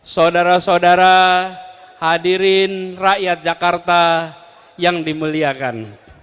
saudara saudara hadirin rakyat jakarta yang dimuliakan